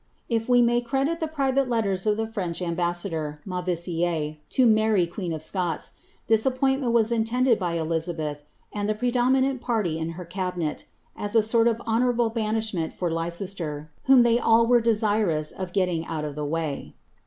If we may credit the private letters of the French ambw sador, Mauvissiere, to Mary queen of Scots, ibis appointment was in tended by Elizabeth, and the predominant parly in her cabinet, as a sort of honourable banishment for Leicester, whom they were all desirous of getting out of the way.